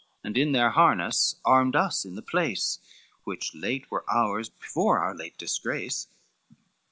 And in their harness armed us in the place, Which late were ours, before our late disgrace.